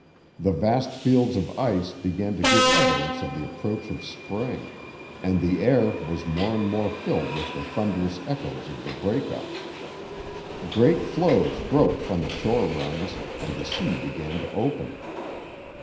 The vast fields of ice began to give evidence of the approach of spring, and the air was more and more filled with the thunderous echoes of the "break up." Great floes broke from the shore runs, and the sea began to open.